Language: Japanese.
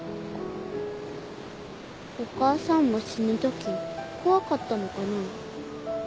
お母さんも死ぬとき怖かったのかな？